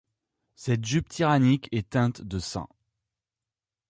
Cette jupe tyrannique est teinte de sang.